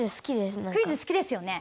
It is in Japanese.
クイズ好きですよね？